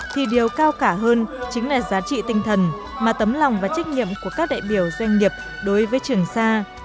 thì điều cao cả hơn chính là giá trị tinh thần mà tấm lòng và trách nhiệm của các đại biểu doanh nghiệp đối với trường sa